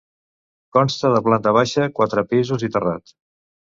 Consta de planta baixa, quatre pisos i terrat.